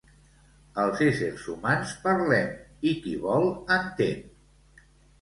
Els éssers humans parlem i qui vol, entén.